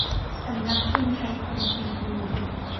สำนักพิมพ์ไทยคมทรีบูน